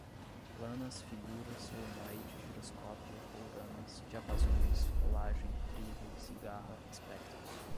planas, figuras, solenoide, giroscópio, roldanas, diapasões, rolagem, trilho, cigarra, espectros